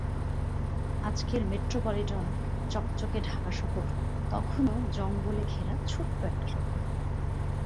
আজকের মেট্রোপলিটন চকচকে ঢাকা শহরও তখন জঙ্গলে ঘেরা ছোট্ট একটা শহর।